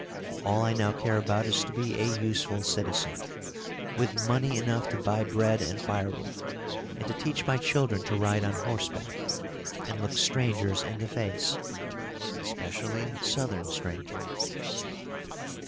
All I now care about is to be a useful citizen, with money enough to buy bread and firewood, and to teach my children to ride on horseback, and look strangers in the face, especially Southern strangers.